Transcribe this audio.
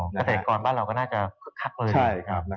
กระเทศกรณ์บ้านเราก็น่าจะคักเลย